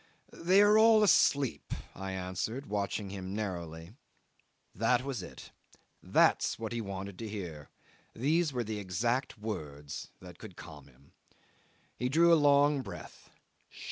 "They are all asleep," I answered, watching him narrowly. That was it. That's what he wanted to hear; these were the exact words that could calm him. He drew a long breath.